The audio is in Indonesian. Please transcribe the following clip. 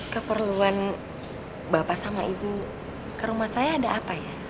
keperluan bapak sama ibu ke rumah saya ada apa ya